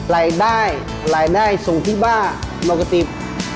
รายได้รายได้ส่งที่บ้านปกติ